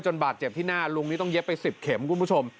บาดเจ็บที่หน้าลุงนี่ต้องเย็บไป๑๐เข็มคุณผู้ชม